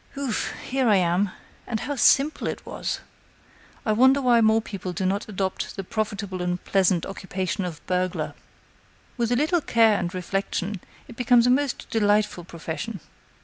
"Ouf! Here I am and how simple it was! I wonder why more people do not adopt the profitable and pleasant occupation of burglar. With a little care and reflection, it becomes a most delightful profession.